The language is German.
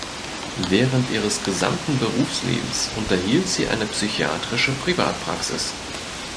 Während ihres gesamten Berufslebens unterhielt sie eine psychiatrische Privatpraxis.